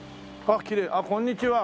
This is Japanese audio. あっこんにちは。